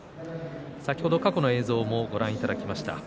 先ほど過去の映像をご覧いただきました。